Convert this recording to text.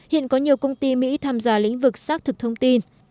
hiện có nhiều công ty mỹ tham gia lĩnh vực xác thực thông tin